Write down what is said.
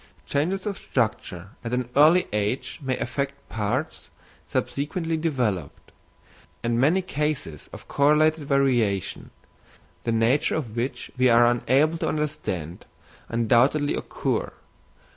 Changes of structure at an early age may affect parts subsequently developed; and many cases of correlated variation, the nature of which we are unable to understand, undoubtedly occur.